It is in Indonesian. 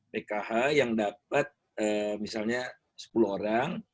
pkh yang dapat misalnya sepuluh orang